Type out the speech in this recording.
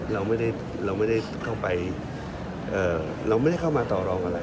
เราไม่ได้เราไม่ได้เข้าไปเราไม่ได้เข้ามาต่อรองอะไร